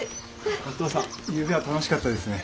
お父さんゆうべは楽しかったですね。